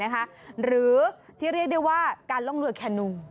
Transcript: หรือที่เรียกได้ว่าการล่องเรือแคนู